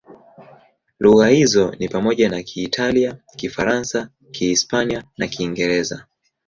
Lugha hizo ni pamoja na Kiitalia, Kifaransa, Kihispania na Kiingereza.